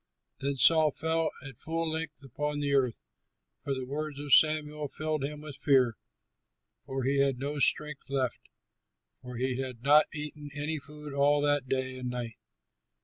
Then Saul fell at full length upon the earth, for the words of Samuel filled him with fear, so he had no strength left, for he had not eaten any food all that day and night.